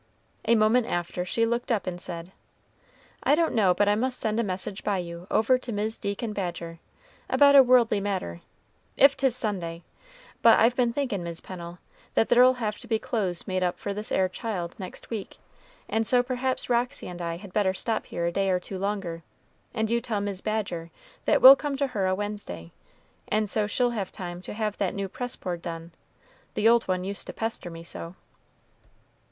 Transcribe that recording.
A moment after she looked up and said, "I don't know but I must send a message by you over to Mis' Deacon Badger, about a worldly matter, if 'tis Sunday; but I've been thinkin', Mis' Pennel, that there'll have to be clothes made up for this 'ere child next week, and so perhaps Roxy and I had better stop here a day or two longer, and you tell Mis' Badger that we'll come to her a Wednesday, and so she'll have time to have that new press board done, the old one used to pester me so."